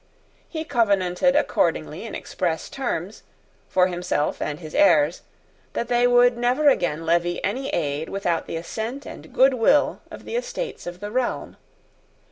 He covenanted accordingly in express terms, for himself and his heirs, that they would never again levy any aid without the assent and goodwill of the Estates of the realm.